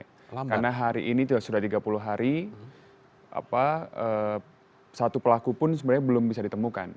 karena hari ini sudah tiga puluh hari satu pelaku pun sebenarnya belum bisa ditemukan